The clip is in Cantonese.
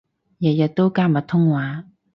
日日都加密通話